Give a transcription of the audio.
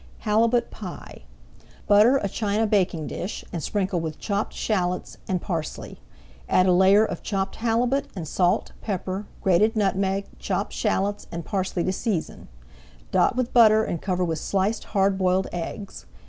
HALIBUT PIE Butter a china baking dish and sprinkle with chopped shallots and parsley. Add a layer of chopped halibut, and salt, pepper, grated nutmeg, chopped shallots, and parsley [Page 185] to season. Dot with butter and cover with sliced hard boiled eggs.